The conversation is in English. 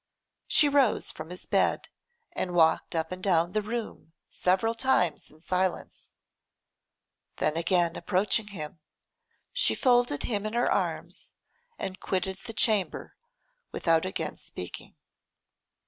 She rose from his bed and walked up and down the room several times in silence; then again approaching him, she folded him in her arms and quitted the chamber without again speaking.